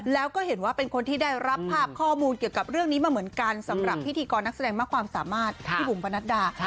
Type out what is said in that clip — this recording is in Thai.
แล้วก็เห็นว่าเป็นคนที่ได้รับภาพข้อมูลเกี่ยวกับเรื่องนี้มาเหมือนกันสำหรับพิธีกรนักแสดงมากความสามารถพี่บุ๋มประนัดดา